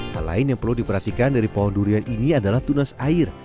hal lain yang perlu diperhatikan dari pohon durian ini adalah tunas air